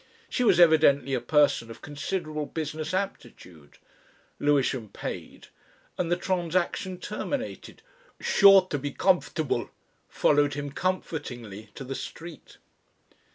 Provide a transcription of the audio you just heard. She was evidently a person of considerable business aptitude. Lewisham paid, and the transaction terminated. "Szhure to be gomfortable," followed him comfortingly to the street.